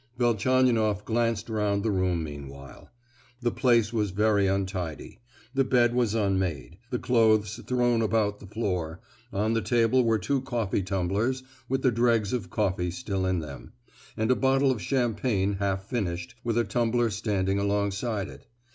Velchaninoff glanced round the room meanwhile. The place was very untidy; the bed was unmade; the clothes thrown about the floor; on the table were two coffee tumblers with the dregs of coffee still in them, and a bottle of champagne half finished, and with a tumbler standing alongside it.